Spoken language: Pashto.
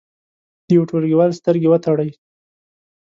د یو ټولګیوال سترګې وتړئ.